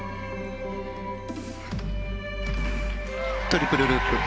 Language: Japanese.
トリプルループ。